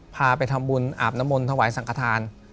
พาไปทำบุญอาบน้ำมนต์ถวายสังขทาน